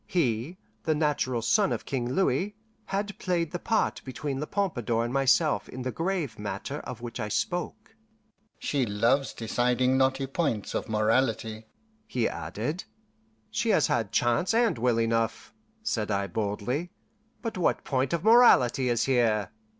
He, the natural son of King Louis, had played the part between La Pompadour and myself in the grave matter of which I spoke. "She loves deciding knotty points of morality," he added. "She has had chance and will enough," said I boldly, "but what point of morality is here?"